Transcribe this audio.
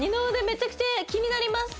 めちゃくちゃ気になります